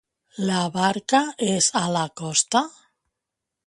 La barca és a la costa?